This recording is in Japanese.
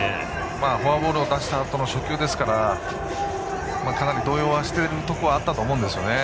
フォアボールを出したあとの初球ですからかなり動揺はしているところがあったと思うんですね。